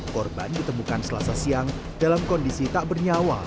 korban ditemukan selasa siang dalam kondisi tak bernyawa